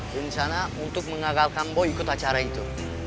bencana untuk mengagalkan bo ikut acara itu